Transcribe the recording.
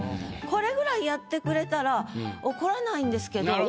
これぐらいやってくれたら怒らないんですけど。